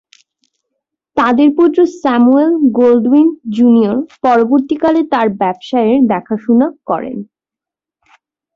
তাদের পুত্র Samuel Goldwyn Junior পরবর্তী কালে তার ব্যবসায়ের দেখাশুনা করেন।